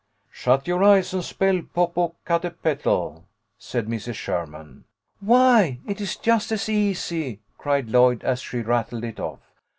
"Shut your eyes and spell Popocatepetl," said Mrs. Sherman. "Why, it is just as easy," cried Lloyd, as she rattled it off.